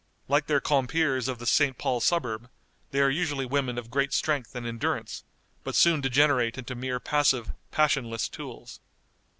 Like their compeers of the St. Paul Suburb, they are usually women of great strength and endurance, but soon degenerate into mere passive, passionless tools.